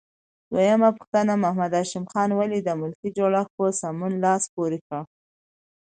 دویمه پوښتنه: محمد هاشم خان ولې د ملکي جوړښت په سمون لاس پورې کړ؟